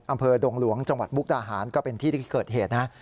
อำเภอดงหลวงจังหวัดมุกดาหารก็เป็นที่ที่เกิดเหตุนะ